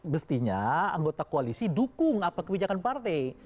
mestinya anggota koalisi dukung kebijakan partai